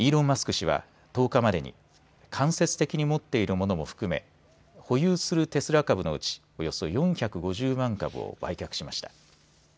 氏は１０日までに間接的に持っているものも含め保有するテスラ株のうちおよそ４５０万株を売却しました。